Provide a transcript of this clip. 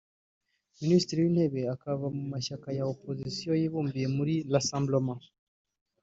Minisitiri w’intebe akava mu mashyaka ya opozisiyo yibumbiye muri Rassemblement